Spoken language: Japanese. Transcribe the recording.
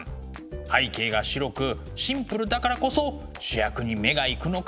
背景が白くシンプルだからこそ主役に目が行くのかもしれません。